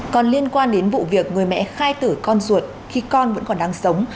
còn liên quan đến vụ việc người mẹ khai tử con ruột khi con vẫn còn đang sống